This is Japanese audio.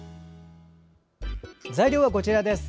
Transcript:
材料はこちらです。